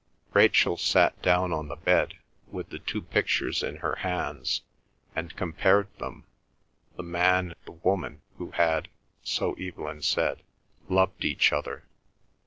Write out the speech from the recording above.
Rachel sat down on the bed, with the two pictures in her hands, and compared them—the man and the woman who had, so Evelyn said, loved each other.